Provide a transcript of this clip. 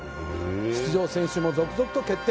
出場選手も続々と決定